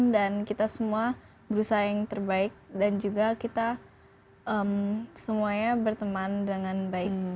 dan kita semua berusaha yang terbaik dan juga kita semuanya berteman dengan baik